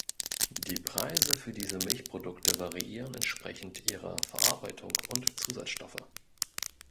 Die Preise für diese Milchprodukte variieren entsprechend ihrer Verarbeitung und Zusatzstoffe.